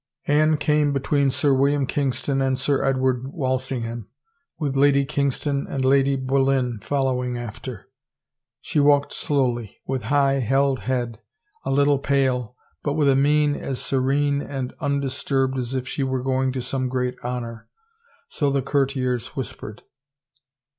Anne came between Sir William Kingston and Sir Edward Walsingham, with Lady Kingston and Lady Boleyn following after. She walked slowly, with high held head, a little pale, but with a mien as serene and 350 r THE TRIAL undisturbed as if she were going to some great honor, so the courtiers whispered.